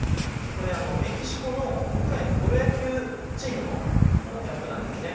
メキシコの国内のプロ野球チームのキャップなんです。